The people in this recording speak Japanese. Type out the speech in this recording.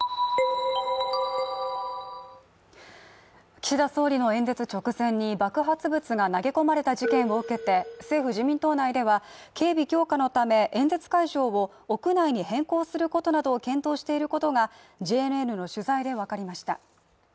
岸田総理の演説直前に爆発物が投げ込まれた事件を受けて、政府自民党内では警備強化のため演説会場を屋内に変更することなどを検討していることがＪＮＮの取材で分かりました。